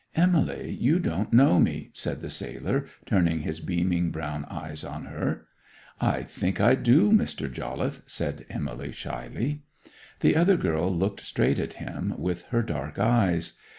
'Emily, you don't know me?' said the sailor, turning his beaming brown eyes on her. 'I think I do, Mr. Jolliffe,' said Emily shyly. The other girl looked straight at him with her dark eyes.